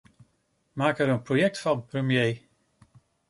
Maak er een project van, premier!